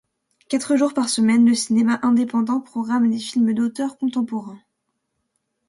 Quatre jours par semaine, le cinéma indépendant programme des films d'auteurs contemporains.